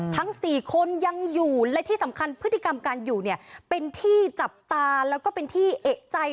ทั้ง๔คนยังอยู่และที่สำคัญพฤติกรรมการอยู่เนี่ยเป็นที่จับตาแล้วก็เป็นที่เอกใจ